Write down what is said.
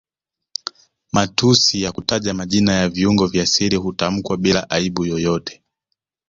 Matusi ya kutaja majina viungo vya siri hutamkwa bila aibu yoyote